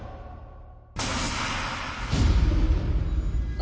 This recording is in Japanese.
あ！